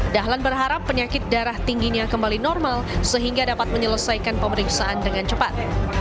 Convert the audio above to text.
dahlan berharap penyakit darah tingginya kembali normal sehingga dapat menyelesaikan pemeriksaan dengan cepat